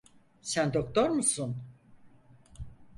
Sen doktor musun?